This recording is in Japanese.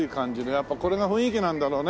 やっぱこれが雰囲気なんだろうね。